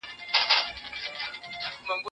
چین د افغانستان د اوبو د مدیریت په برخه کي څه کوي؟